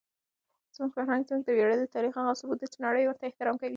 زموږ فرهنګ زموږ د ویاړلي تاریخ هغه ثبوت دی چې نړۍ ورته احترام کوي.